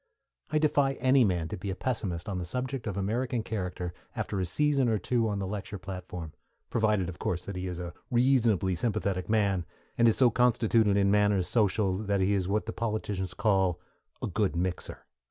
I defy any man to be a pessimist on the subject of American character after a season or two on the lecture platform; provided of course that he is a reasonably sympathetic man, and is so constituted in matters social that he is what the politicians call a "good mixer."